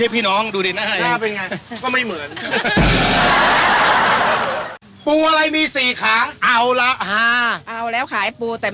ฉันเห็นเขาขายอยู่ฉันนึกว่าหนูแบม